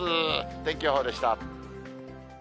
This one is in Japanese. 天気予報でした。